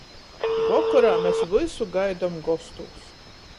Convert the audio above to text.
Vokorā mes vysu gaidom gostūs.